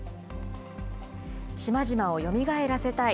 島々をよみがえらせたい。